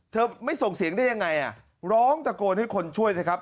ไม่ส่งเสียงได้ยังไงอ่ะร้องตะโกนให้คนช่วยเถอะครับ